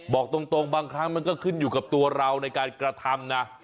บอกตรงบางครั้งมันก็ขึ้นอยู่กับตัวเราในการกระทำนะ